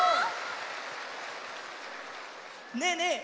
ねえねえ